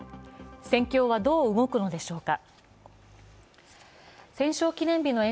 戦況はどう動くのでしょうか。